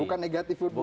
bukan negatif football